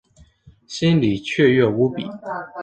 心里雀跃无比